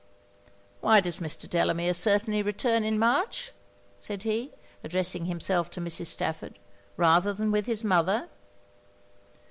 'Why does Mr. Delamere certainly return in March?' said he, addressing himself to Mrs. Stafford, 'rather than with his mother?'